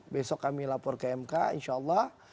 besok kami lapor ke mk insya allah